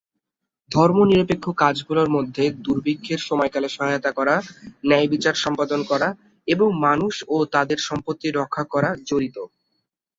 ধর্মনিরপেক্ষ কাজগুলোর মধ্যে দুর্ভিক্ষের সময়কালে সহায়তা করা, ন্যায়বিচার সম্পাদন করা এবং মানুষ ও তাদের সম্পত্তি রক্ষা করা জড়িত।